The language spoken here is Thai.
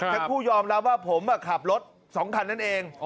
ทั้งคู่ยอมรับว่าผมขับรถ๒คันนั่นเอง